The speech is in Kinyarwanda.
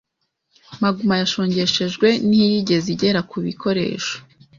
Maguma yashongeshejwe ntiyigeze igera kubikoresho